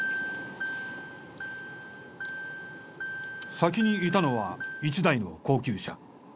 先にいたのは１台の高級車。